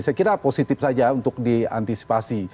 saya kira positif saja untuk diantisipasi